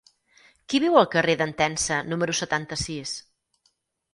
Qui viu al carrer d'Entença número setanta-sis?